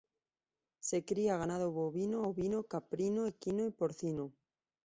Se cría ganado bovino, ovino, caprino, equino y porcino.